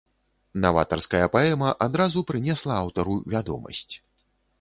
Наватарская паэма адразу прынесла аўтару вядомасць.